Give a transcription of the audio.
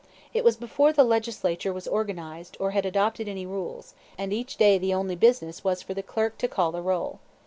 It was before the Legislature was organized, or had adopted any rules; and each day the only business was for the clerk to call the roll.